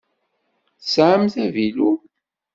Tesɛamt avilu?